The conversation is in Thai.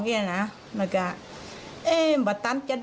แต่ป่าดว่้าโภดการบ้าง